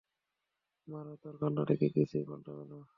মারা, তোর কান্নাকাটিতে কিছুই পাল্টাবে না।